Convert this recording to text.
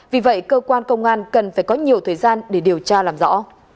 vì vậy cơ quan công an cần phải có nhiều thời gian để điều tra làm rõ